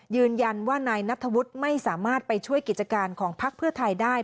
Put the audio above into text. ยืนยันว่านายนัทธวุฒิไม่สามารถไปช่วยกิจการของพักเพื่อไทยได้